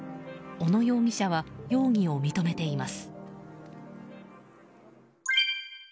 小野容疑者は容疑を認めています。